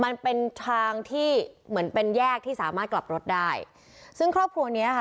มันเป็นทางที่เหมือนเป็นแยกที่สามารถกลับรถได้ซึ่งครอบครัวเนี้ยค่ะ